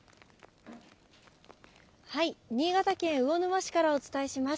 新潟県魚沼市からお伝えします。